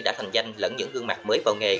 đã thành danh lẫn những gương mặt mới vào nghề